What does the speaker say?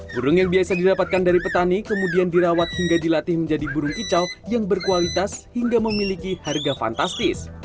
burung yang biasa didapatkan dari petani kemudian dirawat hingga dilatih menjadi burung kicau yang berkualitas hingga memiliki harga fantastis